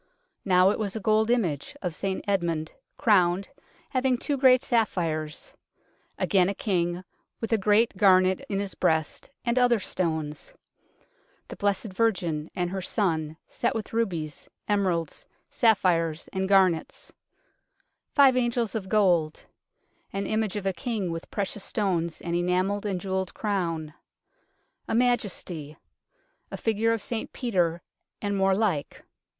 Now it was a gold image of St Edmund, crowned, having two great sapphires ; again a king, with a great garnet in his breast and other stones ; the Blessed Virgin and her Son, set with rubies, emeralds, sapphires and garnets ; five angels of gold ; an image of a king with precious stones and enamelled and jewelled crown ; a Majesty ; a figure of St Peter, and more like.